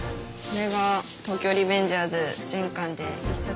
これが「東京卍リベンジャーズ」全巻で。